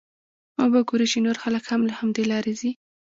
وبه ګورې چې نور خلک هم له همدې لارې ځي.